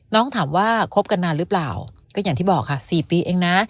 ถามว่าคบกันนานหรือเปล่าก็อย่างที่บอกค่ะ๔ปีเองนะ